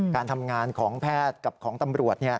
การทำงานของแพทย์กับของตำรวจ